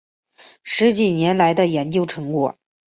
十几年来的研究成果